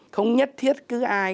không nhất thiết cứ ai